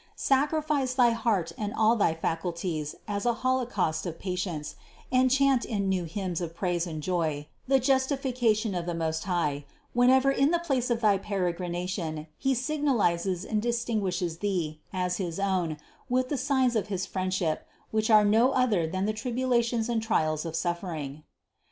Sacrifice thy heart and all thy faculties as a holocaust of patience and chant in new hymns of praise and joy the justification of the Most High, whenever in the place of thy peregrination He signalizes and distinguishes thee as his own with the signs of his friendship which are no other than the tribula tions and trials of suffering.